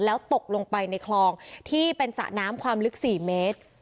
แล้วตกลงไปในคลองที่เป็นสระน้ำความลึก๔เมตร